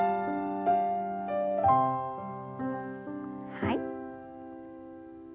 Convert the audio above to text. はい。